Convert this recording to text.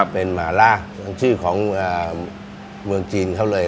เป็นหมาล่าชื่อของเมืองจีนเขาเลย